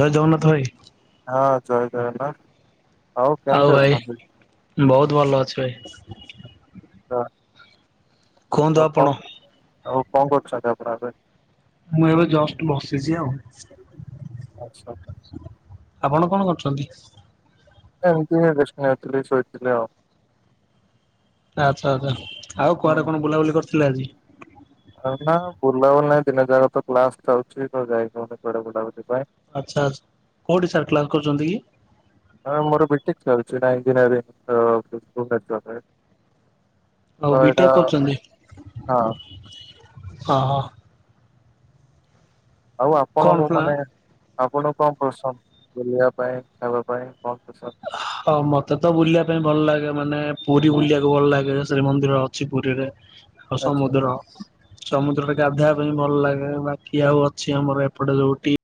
ଜୟ ଜଗନ୍ନାଥ ଭାଇ। ହଁ ଜୟ ଯଗନ୍ନାଥ। ଆଉ ଭାଇ ବହୁତ ଭଲ ଅଛି ଭାଇ। ତା କୁହନ୍ତୁ ଆଉ ଆପଣ। କ଼ଙ୍କ ଆଉ କଙ୍କ କରୁଚ ଆପନ ଏବେ। ମୁଁ ଏବେ ଜଷ୍ଟ୍ ବସିଚି ଆଉ। ଆଛା ଆପଣ କଣ କରୁଚନ୍ତି? ଏମିତି ରିଷ୍ଣଥିଲି ଶୋଇଥିଲି ଆଉ। ଆଚ୍ଛା ଆଚ୍ଛା ଆଉ ହୁଁ। କୁଆଡେ କଣ ବୁଲାବୁଲି କରିଥିଲେ ଆଜି। ନା ବୁଲାବୁଲି ନାହିଁ ଦିନ ଯାକା ତ କ୍ଲାସ ଯାଉଚଛି ତ ଯାଇକନି କୁଡେ ବୁଲାବୁଲି ପାଇଁ। ଆଛା ଆଛା କୋଉଠି ସାର୍ କ୍ଲାସ କରୁଛନ୍ତି କି? ହଁ ମୋର ବିଟେକ୍ ଚାଲିଛି ନା ଇଞଜିନିୟ [unintelligible] ଆଉ ହଁ ଏଟା ବିଟେକ୍ କରୁଛନ୍ତି? ହଁ। ହଁ ହଁ। ଆଉ କଣ ଆପଣଙ୍କୁ ପ୍ଲା ମାନେ ଆପଣ କଣ ପସନ୍ଦ ବୁଲିବା ପାଇଁ ଖାଇବା ପାଇଁ କଣ ପ୍ରସନ୍ଦ। ହଁ ମତେ ତ ବୁଲିବା ପାଇଁ ଭଲ ଲାଗେ ମାନେ ପୁରୀ ବୁଲିବାକୁ ଭଲ ଲାଗେ ଶ୍ରୀମନ୍ଦିର ଅଛି ପୁରୀରେ ଆଛା ସମୁଦ୍ର। ସମୁଦ୍ରରେ ଗାଧେଇବା ପାଇଁ ଭଲ ଲାଗେ ବାକି ଆଉ ଅଛି ଆମର ଏପଟେ ଯୋଉ ଟି।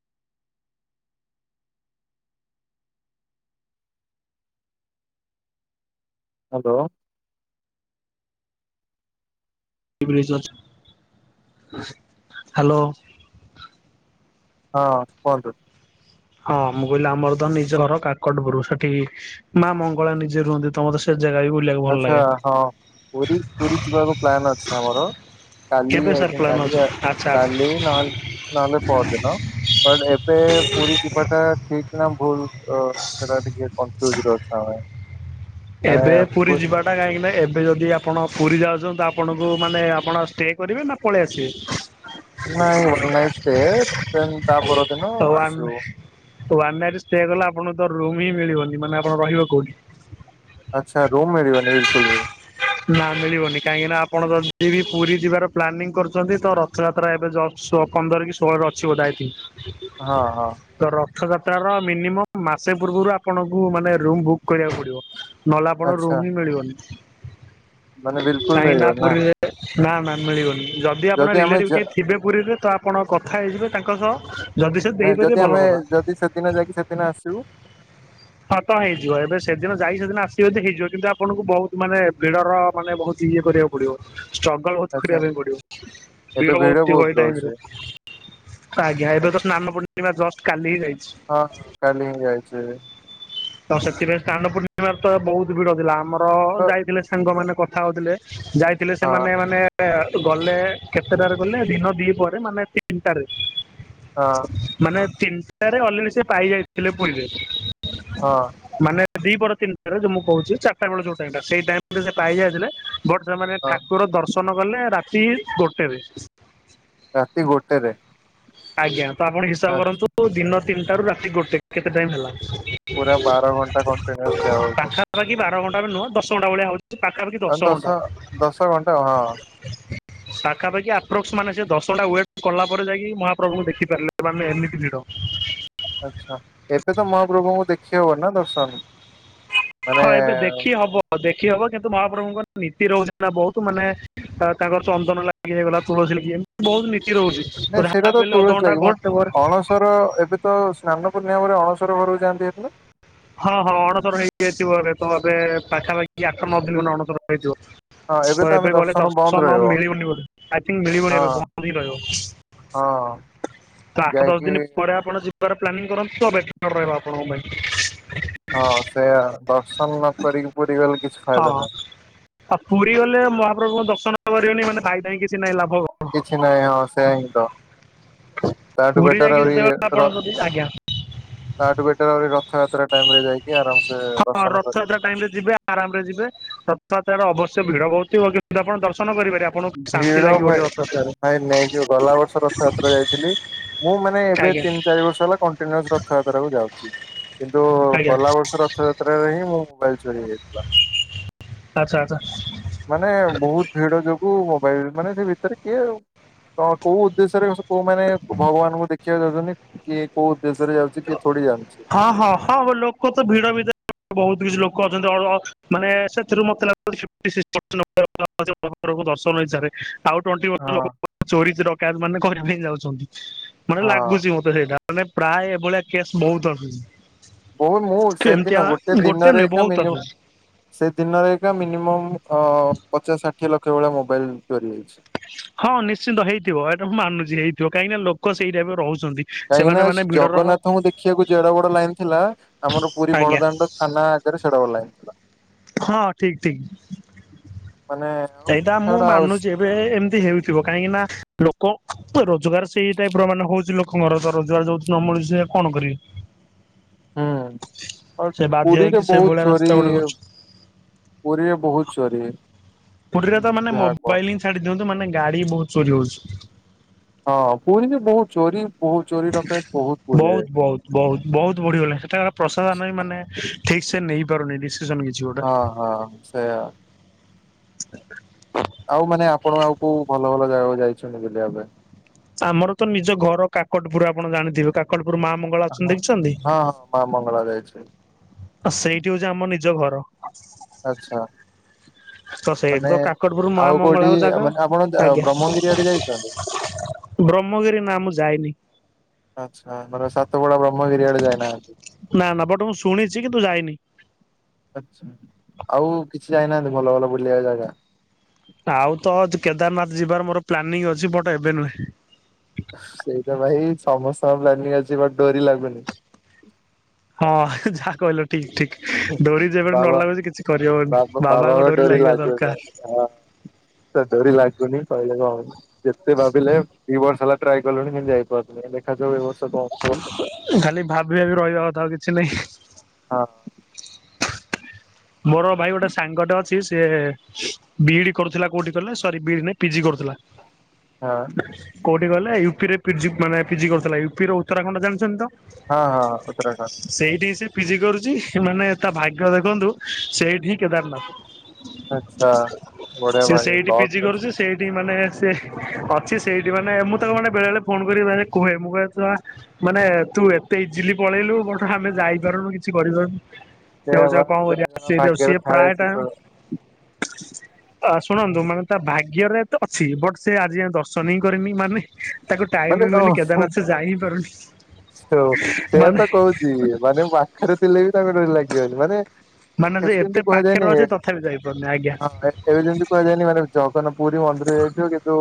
ହାଲୋ। Recharge hello. ହଁ କୁହନ୍ତୁ। ହଁ ମୁଁ କହିଲି ଆମର ତ ନିଜ ଘର କାକଟପୁରୁ ସେଠି କି ମା ମଙ୍ଗଳା ନିଜେ ରୁହନ୍ତି ତମ ତ ସେ ଜାଗା ବି ବୁଲିବାକୁ ଭଲ ଆଚ୍ଛା ଲାଗେ। ହଁ ପୁରୀ ପୁରୀ ଯିବାକୁ ପ୍ଲାନ୍ ଅଛି ଆମର। କାଲି କେବେ ସାର୍ ଆଇ ପ୍ଲାନ୍ କାଲି ଅଛି ଆଚ୍ଛା ଆଚ୍ଛା। କାଲି ନା ହେଲେ ପଦିନ। ଏବେ ପୁରୀ ଯିବାଟା ଠିକ ନା ଭୁଲ। ସେଟା ଟିକେ କନଫୀଉଜ ଅଛୁ ଆମେ। ଏବେ ପୁରୀ ଯିବାଟା କାହିଁକି ନା ଏବ୍ ଏବେ ଯଦି ଆପଣ ପୁରୀ ଯାଉଛନ୍ତି ତ ଆପଣଙ୍କୁ ମାନେ ଆପଣ ଷ୍ଟେ କରିବେ ନା ପଳେଇ ଆସିବେ ନାଇଁ ୱଆନ୍ ନାଇଟ ଷ୍ଟେ ଦେନପରଦିନ ଆସିବୁ। ୱଆନ୍ନ ନାଇଟି ଷ୍ଟେ କଲେ ଆପଣଙ୍କୁ ତ ରୁମ୍ ହିଁ ମିଳିବନି ମାନେ ଆପଣ ରହିବେ କୋଉଠି। ଆଚ୍ଛା ରୁମ୍ ମିଳିିବନି ବିଲକୁଲ୍ ଭି। ନା ମିଳିବନି କାହିଁକି ନା ଆପଣ ଯଦି ବି ପୁରୀ ଯିବାର ପ୍ଲାନିଂ କରୁଛନ୍ତି ତ ର ରଥଯାତ୍ରାଏବେ ପନ୍ଦର କି ଷୋହଳରେ ଅଛି ବୋଧେ ଆଇ ଥିନ୍କ୍। ହଁ ହଁ। ରଥଯାତ୍ରାର ମିନିମମ୍ ମାସେ ପୂର୍ବରୁ ଆପଣଙ୍କୁ ମାନେ ରୁମ୍ ବୁକ୍ କରିବାକୁ ପଡିବ। ନହେଲେ ଆପଣଙ୍କ ଆଚ୍ଛା ରୁମ୍ ହିଁ ମିଳିବନି ମାନେ ବିଲକୁଲ କହିଁକି ନା ମିଳିବନି ପୁରୀରେ ନା ନା ମିଳିବନି ଯଦି ଆପଣ ଆମେ ରିଲେଟିଭ୍ ଯା କେହି ଥିବେ ପୁରୀରେ ତ ଆପ୍ ଆପଣ କଥା ହେଇଯିବେ ତାଙ୍କ ସହ ଯଦି ସେ ନାଇ ଦେଇପାରିବେ ଯଦି ଭଲ ଆମେ କଥା। ଯଦି ସେଦିନ ଯାଇକି ସେଦିନ ଆସିବୁ ହ ତ ହେଇଯିବ ଏବେ ସେଦିନ ଯାଇ ସେଦିନ ଆସ ଯଦି ହେଇଯିବ କିନ୍ତୁ ଆପଣଙ୍କୁ ବହୁତ ମାନେ ଭିଡର ମାନେ ବହୁତ ଇଏ କରିବାକୁ ପଡିବଷ୍ଟକ୍ ବହୁତ ଆଚ୍ଛା କରିବା ପାଇଁ ପଡିବ ଏବେ ଭଡ଼ ଭିଡ ବହୁତ ଥିବ ଟାଇ ରହୁଛି। ଆଜ୍ଞା ଏବେ ତ ସ୍ନାନ ପୂର୍ଣ୍ଣିମା ଜଷ୍ଟ କାଲି ହିଁଯାଇଛି ହଁଁ କାଲି ହିଁ ଯାଉଛି ତ ସେଥିପାଇଁ ସ୍ନାନ ପୂର୍ଣ୍ଣିମାରେ ତ ବହୁତ ଭିଡ ଥିଲା ଆମର ତ ଯାଇଥିଲେ ସାଙ୍ଗମାନେ କଥା ହଉଥିଲେ ଯାଇଥିଲେ ହଁ ସେମାନେ ମାନେ ଗଲେ କେତେଟାରେ ଗଲେ ଦିନ ଦି ପରେ ମାନେ ତିନିଟା ହଁ ମାନେ ତିନିଟାରେ ଅଲରେଡି ସେ ପାଇ ଯାଇଥିଲେ ପୁରୀରେ ହଁ। ମାନେ ଦି ପରେ ତିନିଟାରେ ମୁଁ କହୁଛି ଚାରିଟା ବେଳେ ଯୋଉ ଟାଇମିରେ ସେ ପାଇ ଯାଇଥିଲେ ବଟ ସେମାନେ ହଁ। ଠାକୁର ଦର୍ଶନ କଲେ ରାତି ଗୋଟେରେ ରାତି ଗୋଟେ ରେ ଆଜ୍ଞା ତ ଆପଣ ହିସାବ କରନ୍ତୁ ଦିନ ତିନିଟା ରୁ ରାତି ଗୋଟେ କେତେ ଟାଇମ୍ ହେଲା? ପୁରା ବାର ଘଣ୍ଟା କଣ୍ଟିନ୍ୟୁଅସ୍ ଠିଆ ହବାକୁ ପଡେ। ପାଖାପାଖି ବାର ଘଣ୍ଟା ନୁହଁ ଦଶ ଘଣ୍ଟା ଭଳିଆ ହଉଛି ପାଖାପାଖି ଆଉ ଦଶ ଘଣ୍ଟା ଦଶ ଘଣ୍ଟା ହଁ ପାଖାପାଖି ଆପ୍ରୋକ୍ସ ମାନେ ସେ ଦଶଟା ୱେଟ କଲା ପରେ ଯାଇକି ମହା ପ୍ରଭୁଙ୍କୁ ଦେଖି ପାରିଲେ ମାନେ ଏମିତି ଭିଡ ଆଚ୍ଛା ଏବେ ତ ମହାପ୍ରଭୁଙ୍କୁ ଦେଖି ହବ ନା ଦର୍ଶନ ମାନେ ହଁ ଏବେ ଦେଖି ହବ ଦେଖି ହବ କିନ୍ତୁ ମହାପ୍ରଭୁଙ୍କ ନା ନୀତି ରହୁଛି ନା ବହୁତ ମାନେ ତାଙ୍କର ଚନ୍ଦନ ଲା ଗି ହେଇଗଲା ତୁଳସୀ ଲାଗି ବହୁତ ନୀତି ରହୁଛି ଅଧଘଣ୍ଟା ଘଣ୍ଟେ ପରେ ର ଏବେ ତ ସ୍ନାନ ପୂର୍ଣ୍ଣିବରେ ଅଣସର ଘରକୁ ଯାଆନ୍ତି ହେ ହଁ ହଁ ଅଣସର ହେଇଯାଇଥିବ ଏ ତ ଏବେ ପାଖାପାଖି ଆଠ ନ ଦିନି ଅଣସର ହେଇଥିବ ହଁ ତ ଆମେ ଏବେ ଗଲେ ବନ୍ଦ ଦର୍ଶନ ରହିବ ମିଳିବନି ବୋଲି ମିଳିବନି ହଁ ଏ ବନ୍ଦ ହଁ ରହିବ। ହଁ। ତ ଆଠ ଦଶ ଯାଇକି ଦିନ ପରେ ଆପଣ ଯିବାର ପ୍ଲାନିଂ କରନ୍ତୁ ବେଟର୍ ରହିବ ଆପଣଙ୍କ ପାଇଁ। [inaudible] ହଁ ସେ ଦର୍ଶନ ନ କରିକି ପୁରୀ ଗଲେ କିଛି ହଁ ଫାଇଦା ନାହିଁ ଆଉ ପୁରୀ ଗଲେ ମହାପ୍ରଭୁଙ୍କ ଦର୍ଶନ କରିବନି ମାନେ [unintelligible] କିଛି ନାହିଁ ଲାଭ। କିଛି ନାହିଁ ହଁ ସେୟା ହିଁ ତ। ତାଠୁ ପୁରୀ ବେଟର ଯାଇକି ଆହୁରି ଯେତେବେଳେ ଆପଣ ର ଯଦି ଆଜ୍ଞା ତାଠୁ ବେଟର୍ ରଥଯାତ୍ରା ଟାଇମ ରେ ଯାଇକି ଆରାମସେ ଦର୍ଶନ କରିବ। ଟାଇମ ରେ ଯିବେ। ଆରାମରେ ଯିବେ ତଥା ଅବଶ୍ୟ ଭିଡ ବଉଥିବ କିନ୍ତୁ ଆପଣ ଦର୍ ଭିଡ ଭ ରଥଯାତ୍ରାରେ ଭାଇ ନେଇଯ ଗଲା ବର୍ଷ ରଥଯାତ୍ରା ଯାଇଥିଲି ମୁଁ ମାନେ ଏବେ ଆଜ୍ଞା ତିନି ଚାରି ବର୍ଷ ହେଲା କଣ୍ଟିନୁଅସ ରଥଯାତ୍ରା କୁ ଯାଉଛି। କିନ୍ତୁ ଆଜ୍ଞା ଗଲା ବର୍ଷ ରଥଯାତ୍ରାରେ ହିଁ ମୁଁ ମୋବାଇଲ ଚୋରିହେଇଯାଇଥିଲା। ଆଚ୍ଛା ଆଚ୍ଛା। ମାନେ ବହୁତ ଭିଡ ଯୋଗୁ ମୋବାଇଲ ମାନେ ସେ ଭିତରେ କିଏ ଆଉ କ କୋଉ ଉଦ୍ଦେଶ୍ୟରେ କୋଉମାନେ ଭଗବାନଙ୍କୁ ଦେଖିବାକୁ ଯାଉଛନ୍ତି କି କୋଉ ଉଦ୍ଦେଶ୍ୟରେ ଯାଉ ହଁ ହଁ ହଁ ଲୋକ ତ ଭିଡ଼ ଭିତ ବହୁତ କିଛି ଲୋକ ଅଛନ୍ତି ଅ ଅ ମାନେ ସେଥିରୁ ମତେ [unintelligible] [unintelligible] ଦର୍ଶନ ହେଇସାରେ ଆଉ ଟ୍ୱେଣ୍ଟି ହଁ ପର୍ସେଣ୍ଟ ଲୋକ ଚୋରି ଡକାୟତ ମାନେ କରିବା ପାଇଁ ଯାଉଛନ୍ତି ମାନେ ହଁ ଲାଗୁଛି ମତେ। ସେଇଟା ମାନେ ପ୍ରାୟ ଏଭଳିଆ କେସ୍ ବହୁତ ଅ ବୋ ମୁଁ ସେଦିନ ଗୋଟେ ଦିନରେ ନୁହେଁ ଏକା ବହୁତ ମିନୁ ଆସୁଛି। ସେ ଦିନରେ ଏକ ଏକା ମିନିମମ୍ ପଚାଶ ଷାଠିଏ ଲକ୍ଷ ଭଳିଆ ମୋବାଇଲ ଚୋରି ହେଇଛି। ହଁ ନିଶ୍ଚିନ୍ତ ହେଇଥିବ ଏଇଟା ମୁଁ ମାନୁଛି ହେଇଥିବ କାହିଁକି ନା ଲୋକ ସେଇ ଟାଇପ୍ ର ରହୁଛନ୍ତି। କାହିଁକି ସେମାନେ ନା ମାନେ ଭିଡର ଜଗନ୍ନାଥଙ୍କୁ ଦେଖିବାକୁ ଯେଡ ବଡ ଲାଇନ ଥିଲା ଆମର ପୁରୀ ଆଜ୍ଞା ବଡ଼ଦାଣ୍ଡ ଥାନା ଆଗରେ ସେଡ଼େ ବଡ଼ ଲାଇନ୍। ହଁ ଠିକ୍ ଠିକ୍। ମାନେ ଆଉ ସେଇଟା ମୁଁ ଛାଡ ଆଉ ମାନୁଛି। ଏବେ ଏମିତି ହେଉଥିବ କାହିଁକି ନା ଲୋକ ରୋଜଗାର ସେଇ ଟାଇପ ର ମାନେ ହଉଛି ଲୋ ଘର ଦୁଆର ରୋଜଗାର ଯଉ ନ ମିଳୁଛି ସିଏ କଣ କରିବେ। ହୁଁ ସେ ବାଧ୍ୟ ପୁରୀରେ ହେଇକି ସେ ବହୁତ ଭଳିଆ ରାସ୍ତା ଚୋରି ଗୋଟେ କରୁଛି। ପୁରୀରେ ବହୁତ ଚୋରି। ପୁରୀରେ ତ ମାନେ ଯାହା କୁହ ମୋବାଇଲ ହିଁ ଛାଡି ଦିଅନ୍ତୁ ମାନେ ଗାଡି ବହୁତ ଚୋରି ହଉଛି। ହଁ ପୁରୀରେ ବହୁତ ଚୋରି ବହୁତ ଚୋରି ଡକାୟତି ବହୁତ ପୁରୀରେ। ବହୁତ ବହୁତ ବଢିଗଲା ସେଟା ପ୍ରସାଶନ ବି ମାନେ ଠିକ ସେ ନେଇ ପାରୁନି ଡିସିସନ କିଛି। ଗୋଟେ। ହଁ ହଁ ସେଇୟା। ଆଉ ମାନେ ଆପଣ ଆଉ କୋଉ ଭଲ ଭଲ ଜାଗାକୁ ଯାଇଛନ୍ତି ବୁଲିବା ପାଇଁ। ଆମର ତ ନିଜ ଘର କାକଟପୁର ଆପଣ ଜାଣିଥିବେ କାକଟପୁର ମା ମଙ୍ଗ ହଁ ହଁ ମା ମଙ୍ଗଳା ଯାଇଛି। ଆ ସେଇଠି ହଉଛି ଆମ ନିଜ ଘର। ଆଛା। ତ ସେଇଠି ମାନେ ତ କାକଟପୁର ମା ଆଉ କୋଉଠି ମଙ୍ଗଳାଙ୍କ ଜାଗା। ମାନେ ଆପଣ ଆଜ୍ଞା ବ୍ରହ୍ମଗିରି ଆଡେ ଯାଇଛନ୍ତି। ବ୍ରହ୍ମଗିରି ନା ମୁଁ ଯାଇନି। ଆଚ୍ଛା ମାନେ ସାତ ବଡା ବ୍ରହ୍ମଗିରି ଆଡେ ଯାଇନାହାନ୍ତି। ନା ନା ବଟ ମୁଁ ଶୁଣିଛି କିନ୍ତୁ ଯାଇନି। ଆଛା ଆଉ କିଛି ଯାଇନାହାନ୍ତି ଭଲ ଭଲ ବୁଲିବା ଜାଗା। ଆଉ ତ କେଦାରନାଥ ଯିବାର ମୋର ପ୍ଲାନିଂ ଅଛି ବଟ ଏବେ ନୁହେଁ। ସେଇ ତ ଭାଇ ସମସ୍ତଙ୍କ ପ୍ଲାନିଂ ଅଛି ବଟ ଡୋରି ଲାଗୁନି। ହଁ ଯାହା କହିଲ ଠିକ୍ ଠିକ୍ ଡୋରି ଯେବେଠୁ ନ ବାବା ଲାଗୁଛି କିଛି କରିହବନି ବାବା ବାବାଙ୍କ ଡୋରି ଲାଗିବା ଦରକାର। ତା ଡୋରି ଲାଗୁନି ପହିଲ କ ଯେତେ ଭାବିଲେ ଦି ବର୍ଷ ହେଲା ଟ୍ରାଏ କଲଣି କେମିତି ଯାଇପାରୁୁନୁ ଦେଖାଯାଉ ଏବର୍ଷ। ଖାଲି ଭାବି ଭାବି ରହିବା କଥା ଆଉ କିଛି ନାହିଁ। ହଁ। ମୋର ଭାଇ ଗୋଟେ ସାଙ୍ଗଟେ ଅଛି ସିଏ ବିଇଡି କରୁଥିଲା କୋଉଠି କହିଲ ସରି ବିଇଡି ନାହିଁ ପିଜି କରୁଥିଲା। ହଁ। କୋଉଠି କହିଲ ୟୁପିରେ ପିଜି କରୁଥିଲା ମାନେ ପିଜି କରୁଥିଲା ୟୁପି ର ଉତ୍ତରାଖଣ୍ଡ ଜାଣିଛନ୍ତି ତ। ହଁ ହଁ ଉତ୍ତରାଖଣ୍ଡ। ସେଇଠି ସେ ପିଜି କରୁଛି ମାନେ ତା ଭାଗ୍ୟ ଦେଖନ୍ତୁ ସେଇଠି ହିଁ କେଦାରନାଥ। ଆଛା ବଢିଆ ଭାବରେ ଲକ୍ ଅଛି। ସେଠି ମାନେ ସେ ଅଛି ସେଇଠି ମାନେ ମୁଁ ତାକୁ ମାନେ ବେଳେ ବେଳେ ଫୋନ କରି କୁହେ ମୁଁ କୁହେ ମାନେ ତୁ ଏତେ ଇଜିଲି ପଳେଇଲୁ ବଟ ଆମେ ଯାଇପାରୁନୁ କିଛି କରିପାରୁନୁ। ସେଇବା ସେଇଟାକୁ ସିଏ ପ୍ରାୟ ଟାଇମ ଶୁଣନ୍ତୁ ମାନେ ତା ଭାଗ୍ୟରେ ଏତେ ଅଛି ବଟ୍ ସେ ଆଜି ଯାଏଁ ଦର୍ଶନ ହିଁ କରିନି ମାନେ ତାକୁ ଟାଇମ ମାନେ ବି ହୁଏନି ଓହୋ କେଦାରନାଥ ସେ ଯାଇ ହିଁ ପାରୁନି। ହଉ ସେଇୟା ତ ମାନେ କହୁଛି ମାନେ ପାଖରେ ଥିଲେ ବି ତାଙ୍କ ଡୋରି ଲାଗିବନି ମାନେ ମାନେ ଏବେ ଯେ ଏତେ ଯେମିତି ପାଖରେ କୁହାଯାଏନି ଅଛି ତଥାପି ଯାଇପାରୁନି ଆଜ୍ଞା ହଁ ଏବେ ଯେମିତି କୁହାଯାଏନି ମାନେ ଜଗନ୍ନାଥ ପୁରୀ ମନ୍ଦିର ଯାଇଥିବ କିନ୍ତୁ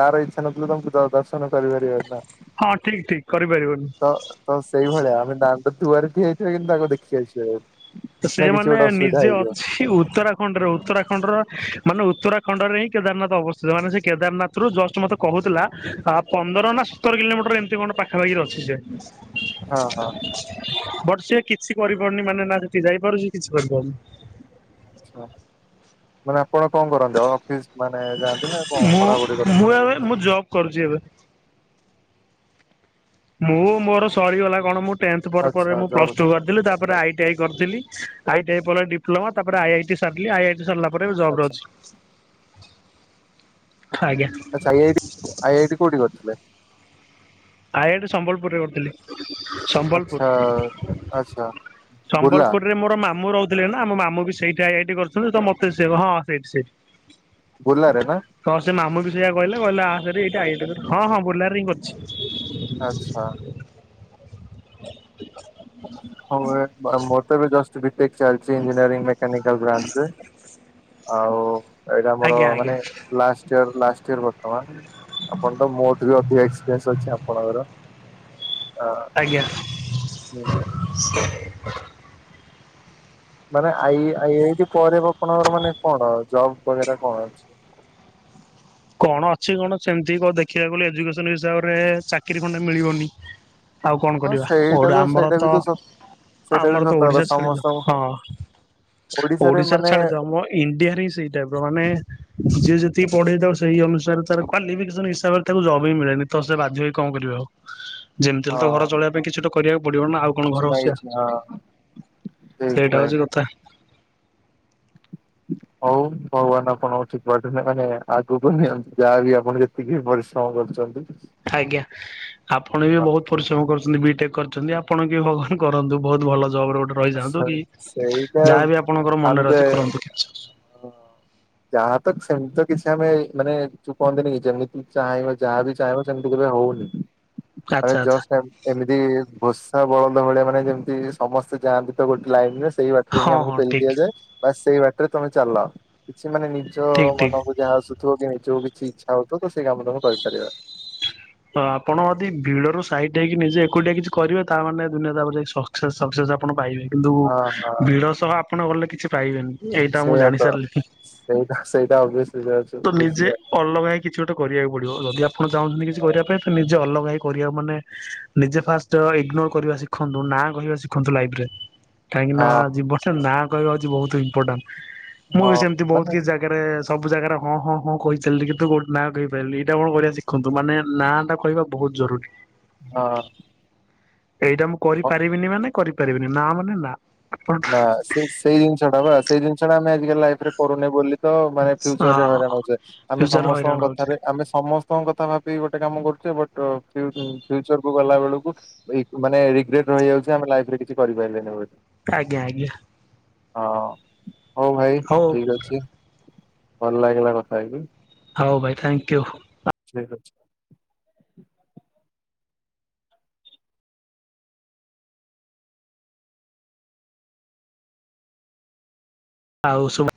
ତାର ଇଚ୍ଛା ନଥିଲେ ତମକୁ ଦ ଦର୍ଶନ ଦର୍ଶନ କରିପାରିବନି ନା। ହଁ ଠିକ ଠିକ କରିପାରିବନି। ତ ସେଇଭଳିଆ ଆମେ ଦାଣ୍ଡ ଦୁଆରେ ଠିଆହେଇଥିବ କିନ୍ତୁ ତାକୁ ଦେଖି ଆସିବା ନାହିଁ। ସେମାନେ ନିଜେ ଅଛି ଉତ୍ତରା ଖଣ୍ଡରେ ଉତ୍ତରାଖଣ୍ଡ ର ମାନେ ଉତ୍ତରାଖଣ୍ଡରେ ହିଁ କେଦାରନାଥ ଅବସ୍ଥିତ ମାନେ ସେ କେଦାରନାଥ ଜଷ୍ଟ ମତେ କହୁଥିଲା ତା ପନ୍ଦର ନା ସତର କିଲୋମିଟର ଏମିତି କଣ ପାଖାପାଖିରେ ଅଛି ସେ। ହଁ ହଁ। ବଟ ସିଏ କିଛି କରିପାରୁନି ମାନେ ନା ସେଠିକି ଯାଇପାରୁଚି କିଛି କରିପାରୁନି। ଆଛା ମାନେ ଆପଣ କଣ କରନ୍ତି ଆଉ ଅଫିସ ମାନେ ଯାଆନ୍ତିନା ମୁଁ ମୁଁ ଏବେ ମୁଁ ଜବ କରୁଚି ଏବେ। ମୁଁ ମୋର ସରିଗଲା କଣ ମୁଁ ଟେନଥ୍ ପରେ ପରେ ଆଚ୍ଛା ମୁଁ ଜବ୍ ପ୍ଲସ ଟୁ ଯାଆନ୍ତି କରିଥିଲି ତାପରେ ଆଇ ଟି ଆଇ କରିଥିଲି। ଆଇ ଟି ଆଇ ପରେ ଡିପ୍ଲୋମା ତାପରେ ଆଇ ଆଇ ଟି ସାରିଲି ଆଇ ଆଇ ଟି ସରଲା ପରେ ଏବେ ଜବରେ ଆଚ୍ଛା। ଅଛି। ଆଜ୍ଞା ଆଛା I I T I I T I I T କୋଉଠି କରିଥିଲେ। ଆଇ ଆଇ ଟି ସମ୍ବଲପୁରରେ କରିଥିଲି। ସମ୍ବଲପୁର। ଆଚ୍ଛା ଆଚ୍ଛା। ବୁର୍ଲା ସମ୍ବଲପୁରରେ ମୋର ମାମୁ ରହୁଥୁଲେ ନା ମୋ ମାମୁ ବି ସେଇଠି ଆଇ ଆଇ ଟି କରୁଥୁଲେ ତ ମତେ ସେ ହଁ ସେଇଠି ସେଇଠି। ବୁର୍ଲାରେ ନା। ହଁ ସେ ମାମୁ ବି ସେଇୟା କହିଲେ କହିଲେ ଆ ଭାରି ଏଇଠି ଆଇ ଆଇ ଟି କରିବୁ ହଁ ହଁ ବୁର୍ଲାରେ ହିଁ କରଛି। ଆଚ୍ଛା। ହୋଉ ହେ ଆ ମୋର ତ ଏବେ ଜଷ୍ଟ ବିଟେକ୍ ଚାଲଚି ଇଞ୍ଜିନିୟରିଂ ମେକାନିକାଲ ବ୍ରାଞ୍ଚରେ। ଆଉ ଏଇଟା ଆମର ଆଜ୍ଞା ଆଜ୍ଞା ମାନେ ଲାଷ୍ଟ ଇୟର୍ ଲାଷ୍ଟ ଇୟର ବର୍ତ୍ତମାନ। ଆପଣ ତ ମୋଠୁ ବି ଅଧିକ ଏକ୍ସପେରିଏନ୍ସ ଅଛି ଆପଣଙ୍କର। ଆ ଆଜ୍ଞା। ହୁଁ, ମାନେ ଆଇ ଆଇ ଆଇ ଟି ପରେ ଆପଣଙ୍କର ମାନେ କଣ ଜବ କରିବାଟା କଣ ଅଛି? କଣ ଅଛି କଣ ସେମତି କ ଦେଖିବାକୁ କଲେ ଏଜୁକେସନ ହିସାବରେ ଚାକିରି ଖଣ୍ଡେ ମିଳିବନି। ଆଉ କଣ ହଁ କରିବା ସେଇଟା ଓଡ୍ ଆମର ସେଇଟା ତ ବି ସ ସେଇଟା ବି ଆମର ତ ସତ କଥା ଓଡିଶାରେ ଛାଡିଦିଅ ସମସ୍ତଙ୍କୁ ହଁ ଓଡିଶାରେ ଛାଡିଦିଅ ମୋ ଇଣ୍ଡିଆରେ ହିଁ ସେଇ ଟାଇପର ମାନେ ଯିଏ ଯେତିକି ପଢେଇଥାଉ ସି ସେଇ ଅନୁସାରେ ତାର କ୍ୱାଲିଫିକେସନ ହିସାବରେ ତାକୁ ଜବ୍ ବିଁ ମିଳେନି ତ ସେ ବାଧ୍ୟ ହୋଇକି କଣିବ ଆଉ। ଯେମତି ହେଲେ ହଁ ତ ଘର ଚଳେଇବା ପାଇଁ କିଛି ଗୋଟେ କ କରିବାକୁ ପଡ଼ିବ ନା ଆଉ କଣ କିଛି ଘରେ ନା ବସିଆ କିଛି ହଁ ଠିକ ସେଇଟା ଭାଇ। ହୋଉଚି କଥା। ହୋଉ ଭଗବାନ ଆପଣଙ୍କୁ ଠିକ ବାଟରେ ନି ମାନେ ଆଗକୁ ନିଅନ୍ତୁ ଯାହାବି ଆପଣ କେ ତିକି ପରିଶ୍ରମ କରୁଚନ୍ତି ଆଜ୍ଞା। ଆପଣ ବି ବୋହୁତ ପରିଶ୍ରମ କରୁଚନ୍ତି ବିଟେକ୍ କରିଚନ୍ତି ଆପଣ କି ଭଗବାନ କରନ୍ତୁ ବୋହୁତ ଭଲ ଜବରେ ଗୋଟେ ରହିଯାଆନ୍ତୁ କି ସେ- ସେଇଟା ଯାହା ବିି ଆପଣଙ୍କର ମନରେ ଅଛି କରନ୍ତୁ କିଛି ହ ଯାହା ତ ସେମତି ତ କିଛି ଆମେ ମାନେ ଯୋଉ କହନ୍ତିନି କି ଯେମିତି ଚାହିଁବ ଯାହା ବି ଚାହିଁବ ସେମିତି କେବେ ହୋଉନି। ମାନେ ଆଚ୍ଛା ଆଚ୍ଛା ଜଷ୍ଟ ଏମ ଏମିତି ଘୋଷା ବଳଦ ଭଳିଆ ମାନେ ଯେମତି ସମସ୍ ସେ ଯାଆନ୍ତି ତ ଗୋଟେ ଲାଇନରେ ସେଇ ବାଟରେ ହିଁ ହଁ ଆମକୁ ହଁ ପେଲି ଠିକ ଦିଆଯାଏ। ବାସ୍ ସେଇ ବାଟରେ ତମେ ଚାଲ କିଛି ମାନେ ନିଜ ଠିକ ଠିକ। ମନ ବୁ ଯାହା ଆସୁଥୁବ କି ନିଜକୁ କିଛି ଇଚ୍ଛା ହୋଉଥିବ ତ ସେଇ କାମ ଦାମ କରିପାରିବା। ତ ଆପଣ ଯଦି ଭିଡରୁ ସାଇଟ୍ ହେଇକି ନିଜେ ଏକୁଟିଆ କିଛି କରିବେ ତାମାନେ ଦୁନିଆ ତାପରେ ଯାଇ ସକ୍ସେସ ସକ୍ସେସ ଆ ଆପଣ ପାଇବେ କିନ୍ତୁ ହଁ ହଁ ଭିଡ ସହ ଆପଣ ଗଲେ କିଛି ପାଇବେନି। ଏଇଟା ମୁଁ ସେଇଆ ଜାଣି ତ ସାରିଲିଣି। ସେଇଟା ସେଇଟା ଅଭିଅସଲି ତ [unintelligible] ନିଜେ ବୁଝିବା ଅଲଗା ହେଇ କିଛି ଗୋଟେ କରିବାକୁ ପଡ଼ିବ ଯଦି ଆପଣ ଚାହୁଁଚନ୍ତି କିଛି କରିବା ପାଇଁ ତ ନିଜେ ଅଲଗା ହେଇ କରିବା ମାନେ ନିଜେ ଫାଷ୍ଟ ଇଗ୍ନୋର କରିବା ଶିଖନ୍ତୁ ନା କହିବା ଶିଖନ୍ତୁ ଲାଇଫରେ। କାହିଁକିନା ହଁ ଯିବନଟାରେ ନାଁ କହିବା ହୋଉଚି ବୋହୁତ ଇମ୍ପୋଟାଣ୍ଟ ମୁଁ ହଁ ବି ସେମତି ବୋହୁତ ମାନେ କିଛି ଜା ଗାରେ ସବୁ ଜାଗାରେ ହଁ ହଁ ହଁ କହି ଚାଲିଲି କିନ୍ତୁ କୋଉ ନାଁ କହିପାରଲିନି ଏଇଟା କଣ କରିବା ଶିଖନ୍ତୁ ମାନେ ନାଁଟା କହିବା ବୋହୁତ ଜରୁରୀ। ହଁ। ଏଇଟା ମୁଁ ହଁ, କରିପାରିବିନି ମାନେ କରିପାରିବିନି ନା ମାନେ ନା। ଆପଣ ନା ସେ ସେଇ ଜିନିଷ ଟା ବା ସେଇ ଜିନିଷ ଟା ଆମେ ଆଜିକାଲି ଲାଇଫ୍ ରେ କରୁନେ ବୋଲି ତ ମାନେ ଫ୍ୟୁଚରେ ହଁ ହଇରାଣ ହ‌ଉଛେ। ଆମେ ଫ୍ୟୁଚର ହଇରାଣ ସମସ୍ତଙ୍କ ହଉଛି କଥାରେ ଆମେ ସମସ୍ତଙ୍କ କଥା ଭାବିକି ଗୋଟେ କାମ କରୁଚେ ବଟ୍ ଫ୍ୟୁ ଫ୍ୟୁଚର୍ କୁ ଗଲା ବେଳକୁ ଇ ମାନେ ରିଗ୍ରେଟ୍ ରହିଯାଉଛି ଆମେ ଲାଇଫ୍ ରେ କିଛି କରିପାରିଲେନି ବୋଲି ଆଜ୍ଞା ଆଜ୍ଞା। ହଁ ହଉ ଭାଇ ହଉ। ଠିକ୍ ଅଛି। ଭଲ୍ ଲାଗିଲା କଥା ହେଇକି। ହଉ ଭାଇ ଥ୍ୟାଙ୍କ୍ୟୁ। ଠିକ୍ ଅଛି। ଆଉ ସୁବା